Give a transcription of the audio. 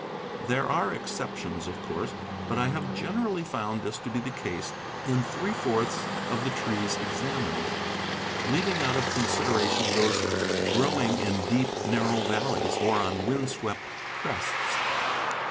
There are exceptions, of course, but I have generally found this to be the case in three fourths of the trees examined, leaving out of consideration those growing in deep, narrow valleys, or on wind swept crests.